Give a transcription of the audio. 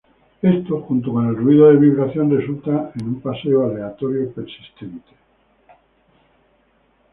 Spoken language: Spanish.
Esto, junto con el ruido de vibración resulta en un paseo aleatorio persistente.